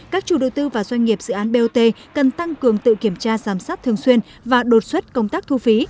các chủ đầu tư và doanh nghiệp dự án bot cần tăng cường tự kiểm tra giám sát thường xuyên và đột xuất công tác thu phí